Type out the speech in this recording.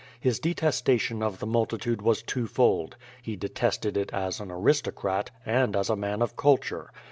(His detestation of the multitude was two fold: he detested it as an aristocrat, and as a man of culture.